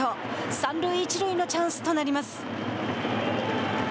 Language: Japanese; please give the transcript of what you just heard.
三塁一塁のチャンスとなります。